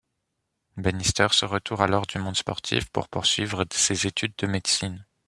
Bannister se retire alors du monde sportif pour poursuivre ses études de médecine.